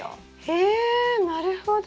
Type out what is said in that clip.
へえなるほど。